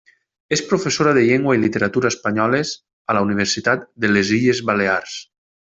És professora de llengua i literatura espanyoles a la Universitat de les Illes Balears.